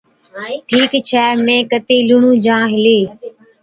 ٺيڪ ڇي۔ مين ڪتِي لُڻُون جان ھُلِي.